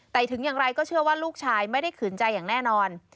แต่ถึงอย่างไรก็เชื่อว่าลูกชายไม่ได้ขืนใจอย่างแน่นอน